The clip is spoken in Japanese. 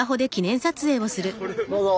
どうぞ。